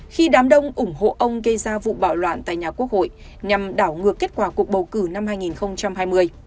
khi đám đông ủng hộ ông gây ra vụ bạo loạn tại nhà quốc hội nhằm đảo ngược kết quả cuộc bầu cử năm hai nghìn hai mươi